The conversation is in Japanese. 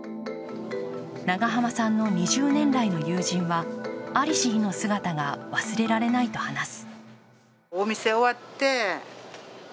長濱さんの２０年来の友人は在りし日の姿が忘れられないと話す。